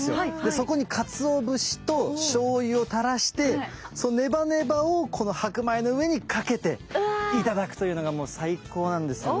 そこにかつお節としょうゆをたらしてそのネバネバをこの白米の上にかけて頂くというのがもう最高なんですよね！